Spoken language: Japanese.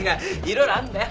色々あんだよ。